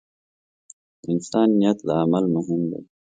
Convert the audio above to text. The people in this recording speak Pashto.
د انسان نیت له عمل مهم دی.